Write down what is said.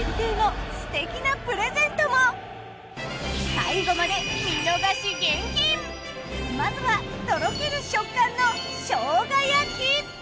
最後まで見逃し厳禁まずはとろける食感の生姜焼き。